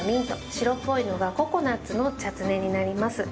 白っぽいのがココナッツのチャツネになります。